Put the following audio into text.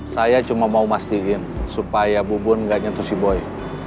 saya cuma mau memastikan supaya bu bun gak nyentuh si boy